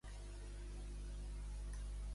Quina és l'albedo geomètrica de Dione?